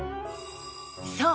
そう。